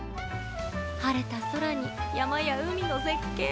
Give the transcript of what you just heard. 晴れた空に山や海の絶景。